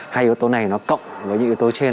hai yếu tố này nó cộng với những yếu tố trên